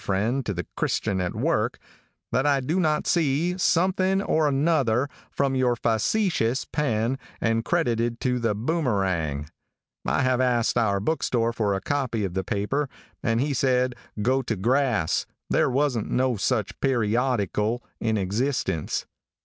Friend to the Christian at Work, that I do not see something or a nother from your faseshus pen and credited to The Boomerang. I have asked our bookstore for a copy of the paper, and he said go to grass, there wasn't no such perioddickle in existence.